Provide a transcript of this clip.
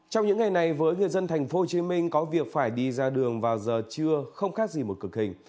trong những ngày này với người dân tp hcm có việc phải đi ra đường vào giờ trưa không khác gì một cực hình